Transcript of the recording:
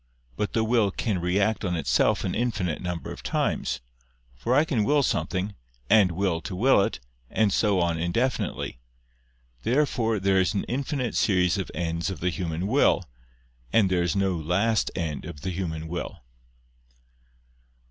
But the will can react on itself an infinite number of times: for I can will something, and will to will it, and so on indefinitely. Therefore there is an infinite series of ends of the human will, and there is no last end of the human will.